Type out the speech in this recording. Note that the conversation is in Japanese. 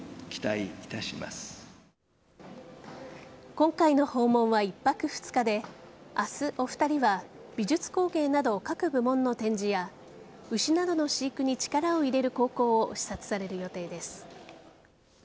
今回の訪問は１泊２日で明日、お二人は美術工芸など各部門の展示や牛などの飼育に力を入れる高校を視察される予定です。